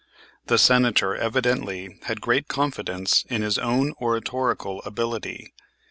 The Senator evidently had great confidence in his own oratorical ability.